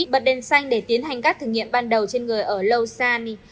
bật đèn xanh để tiến hành các thử nghiệm ban đầu trên người ở lausanne